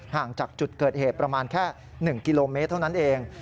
ห่างจากจุดเกิดเหตุประมาณแค่๑กิโลเมตรเท่านั้นเอง